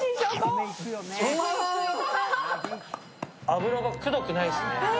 脂がくどくないですね。